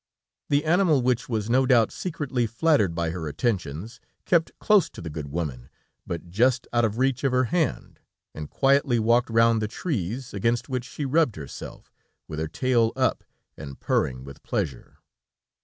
The animal, which was no doubt secretly flattered by her attentions, kept close to the good woman, but just out of reach of her hand, and quietly walked round the trees, against which she rubbed herself, with her tail up, and purring with pleasure.